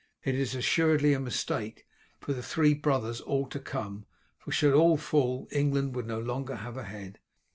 It is assuredly a mistake for the three brothers all to come, for should all fall England would no longer have a head."